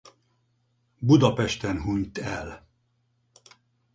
Budapesten hunyt el.